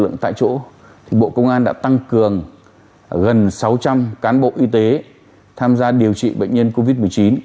lực lượng tại chỗ bộ công an đã tăng cường gần sáu trăm linh cán bộ y tế tham gia điều trị bệnh nhân covid một mươi chín